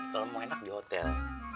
kalau mau enak di hotel